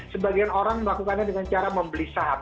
sebagian orang melakukannya dengan cara membeli saham